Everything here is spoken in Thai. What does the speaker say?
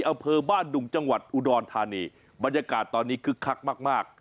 อำเภอบ้านดุงจังหวัดอุดรธานีบรรยากาศตอนนี้คึกคักมากมาก